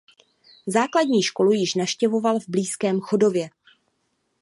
Základní školu již navštěvoval v blízkém Chodově.